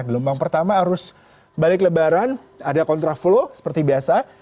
gelombang pertama arus balik lebaran ada kontraflow seperti biasa